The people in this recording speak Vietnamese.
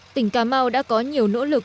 tỉnh cà mau đã có nhiều nỗ lực